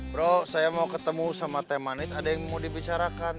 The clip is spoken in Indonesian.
bro saya mau ketemu sama teh manis ada yang mau dibicarakan